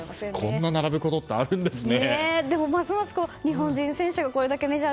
こんな並ぶことあるんですね。